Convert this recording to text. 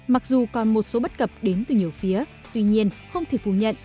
mặc dù còn một số bất cập đến từ nhiều phía tuy nhiên không thể phủ nhận